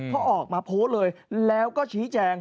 เขาออกมาโพสต์เลยแล้วก็ชี้แจง